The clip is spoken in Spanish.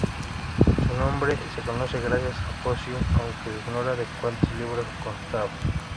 Su obra se conoce gracias a Focio, aunque se ignora de cuantos libros constaba.